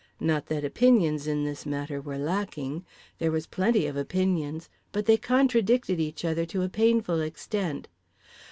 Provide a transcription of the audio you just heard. Not that opinions in this matter were lacking. There were plenty of opinions—but they contradicted each other to a painful extent.